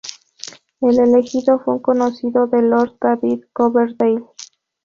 El elegido fue un conocido de Lord, David Coverdale.